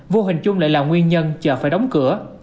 vô hình chung lại là nguyên nhân chờ phải đóng cửa